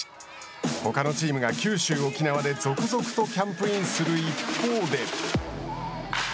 ほかのチームが九州、沖縄で続々とキャンプインする一方で。